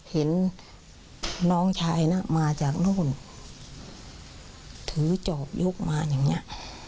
เห็นน้องชายน่ะมาจากนู่นถือจอบยกมาอย่างนี้